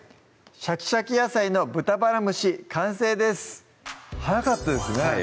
「シャキシャキ野菜の豚バラ蒸し」完成です早かったですね